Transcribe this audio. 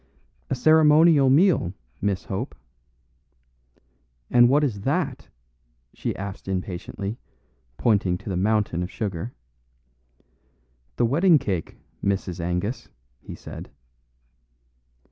"A ceremonial meal, Miss Hope." "And what is that?" she asked impatiently, pointing to the mountain of sugar. "The wedding cake, Mrs. Angus," he said.